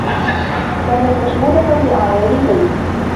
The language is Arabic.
كانت مشغولة بأعمال البيت.